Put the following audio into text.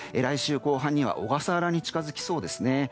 来週後半には小笠原に近づきそうですね。